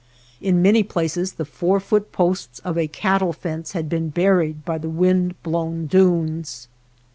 In many places the four foot posts of a cattle fence had been buried by the wind blown dunes.